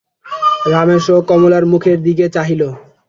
রমেশও কমলার মুখের দিকে চাহিল।